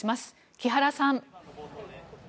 木原さん。